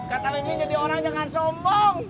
kata bemin jadi orang jangan sombong